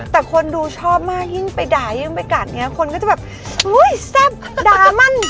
แต่คนดูชอบมากยิ่งไปด่ายิ่งไปกัดอย่างนี้คนก็จะแบบอุ้ยแซ่บด่ามัน